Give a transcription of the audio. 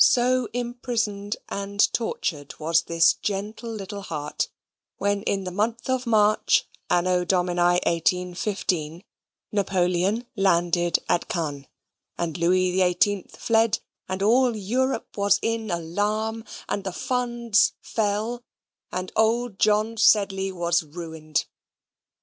So imprisoned and tortured was this gentle little heart, when in the month of March, Anno Domini 1815, Napoleon landed at Cannes, and Louis XVIII fled, and all Europe was in alarm, and the funds fell, and old John Sedley was ruined.